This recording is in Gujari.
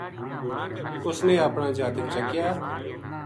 اس نے اپنا جاتک چکیا